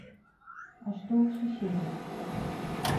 А што ў суседзяў?